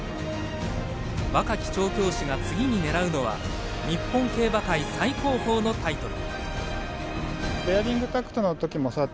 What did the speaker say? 若き調教師が次に狙うのは日本競馬界最高峰のタイトル。